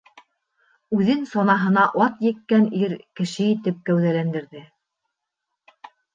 Үҙен санаһына ат еккән ир кеше итеп кәүҙәләндерҙе.